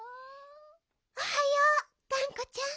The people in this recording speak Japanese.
おはようがんこちゃん。